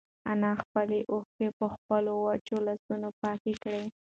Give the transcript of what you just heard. انا خپلې اوښکې په خپلو وچو لاسونو پاکې کړې.